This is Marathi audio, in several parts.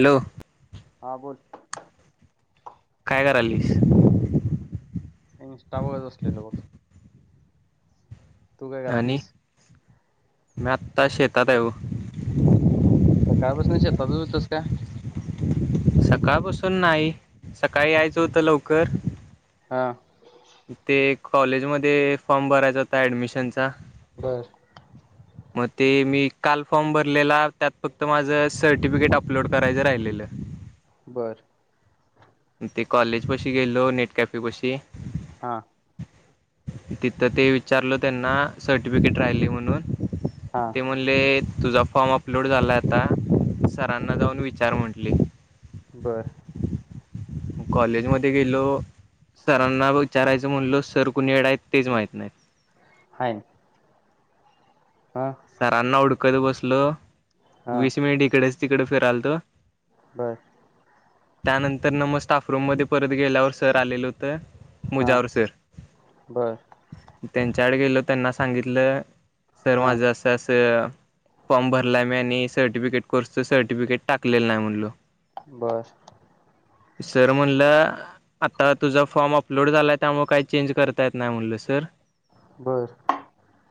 हॅलो हा बोल काय करायलीस इंस्टा बघत बसलेलो बघ तू काय आणि करायलीस मी आत्ता शेतात येऊ [inaudible] सकाळपासून शेतात होतास काय सकाळ बसून नाही सकाळी यायचं होतं लवकर हां ते कॉलेज मध्ये फॉर्म भरायचा होता ऍडमिशनचा बर मग ते मी काल फॉर्म भरलेला त्यात फक्त माझं सर्टिफिकेट अपलोड करायचं राहिलेलं बर ते कॉलेज पशी गेलो नेट कॅफे पाशी हा तिथं ते विचारल त्यांना सर्टिफिकेट राहिली म्हणून हा ते म्हणले तुझा फॉर्म अपलोड झाला आता सरांना जाऊन विचार म्हटली बर कॉलेज मध्ये गेलो सरांना विचारायचं म्हणलो सर कुणी कड आहेत तेच माहित नाहीत हाय. हा सरांना हुड क बसलो. हा वीस मिनिट इकडेच तिकडे फिराल तो. बर त्यानंतर ना मग स्टाफरूम मध्ये परत गेल्यावर सर आलेलं होतं हा मुजावर सर बरं. त्यांच्याकडे गेलो त्यांना सांगितलं सर हा माझं अस फॉर्म भरला मी आणि सर्टिफिकेट कोर्सच सर्टिफिकेट टाकलेलं नाही म्हणलो बस सर म्हणलं आता तुझा फॉर्म अपलोड झाला त्यामुळे काही चेंज करता येत नाही म्हणलं सर बर.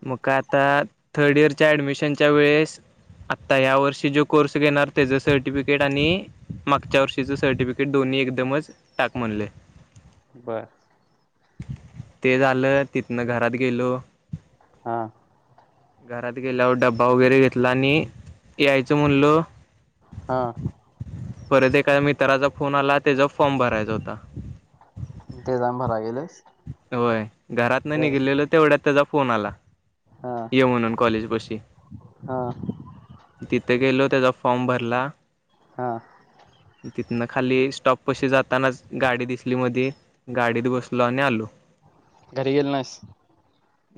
मग काय आता. थर्ड इयरच्या ॲडमिशनच्या वेळेस आत्ता ह्या वर्षी जो कोर्स घेणार त्याचं सर्टिफिकेट आणि मागच्या वर्षीचं सर्टिफिकेट दोन्ही एकदमच टाक म्हणले बरं. ते झालं तिथन घरात गेलो हा. घरात गेल्यावर डब्बा वगैरे घेतला आणि यायचं म्हणलो. हा. परत एका मित्राचा फोन आला त्याचा फॉर्म भरायचा होता. ते जाम भरा गेलस होय. घरात नाही निघलेलो तेवढ्यात त्याचा फोन आला. हा ये म्हणून कॉलेज पशी हा तिथे गेलो त्याचा फॉर्म भरला. हा. तिथनं खाली स्टॉप पशी जातानाच गाडी दिसली, मध्ये गाडीत बसलो आणि आलो. घरी गेला नायस.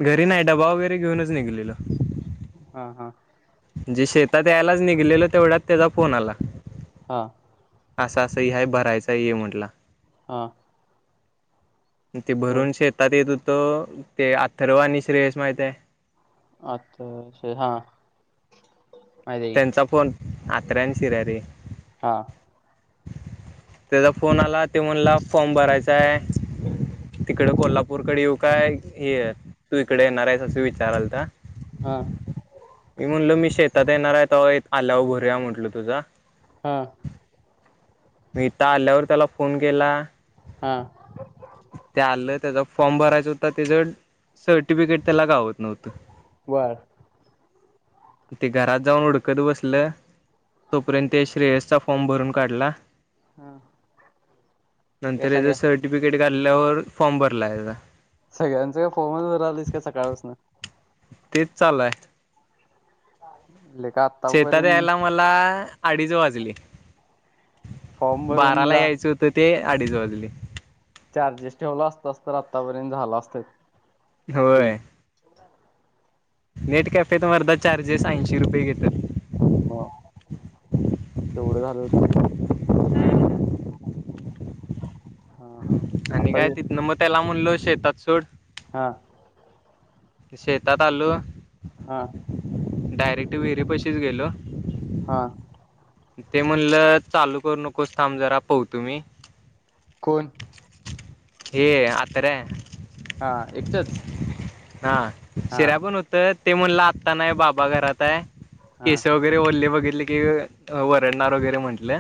घरी नाही डबा वगैरे. ते घेऊनच निघलेलो. हा हा. जे शेतात यायलाच निघलेलं तेवढ्यात. त्याचा फोन आला. हा असं असं हे हाय भरायचा ये म्हटलं. हा. ते बर भरून शेतात येत होतो. हो ते अथर्वआणी श्रेयश माहित हाय अच्छा अच्छा हा. माहिती आहे की त्यांचा फोन. अतरया शिरर हा. त्याचा फोन आला ते म्हणला फॉर्म भरायचाय. तिकड कोल्हापूरकडे येऊ. काय हे तू इकडे येणार आहेस अस विचारालता. हा मी म्हणलो मि शेतात येणार आहे त आल्या व भरूया म्हटल तुझा हा मी इथ आल्यावर त्याला फोन केला. हा ते आलं त्याचा फॉर्म भरायचं होता त्याच सर्टिफिकेट त्याला घावत नव्हत. बर ते घरात जाऊन हुडकत बसल तोपर्यंत श्रेयसचा फॉर्म भरून काढला. हा नंतर पैसा घे याचा सर्टिफिकेट घाल्ल्यावर फॉर्म भरला आहेचा [unintelligible] सगळ्यांचं का फोनच करालीस का सकाळपासन तेच चालु आहे. लेका शेतात आतापर्यंत यायला मला अडीच वाजले. फॉर्म भरून बाराला जा यायचं होतं. ते अडीच वाजले. चार्जेस ठेवला असतास तर आत्तापर्यंत झालं असत. ढीग होय. नेट कॅफेेत मर्धा चार्जेस ऐंशी रुपये घेतात. ह तेवढं झालच की हा हा आणि आता काय जे- तिथन मग तेला म्हणलो शेतात सोड हा शेतात आलो हा डायरेक्ट विहिरी पशीच गेलो हा ते म्हणलं चालू करू नकोस थांब जरा पवतो मी कोण ये आतरया हा एकटच हा हा शिऱ्या पण होत. ते म्हणलं आत्ता नाही बाबा घरात आहे. हा केस वगैरे ओली बघितली की वरडणार वगैरे म्हंटल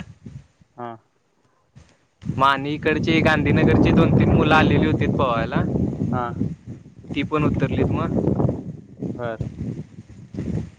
हा म आणि इकडची गांधीनगरची दोन, तीन मुलं आलेली होतीत पवायला. हा. ती पण उत्तरलीत मग बर. [inaudible]